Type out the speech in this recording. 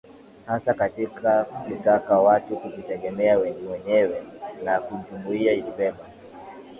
Hasa katika kutaka watu kujitegemea mwenyewe na jumuiya ilibeba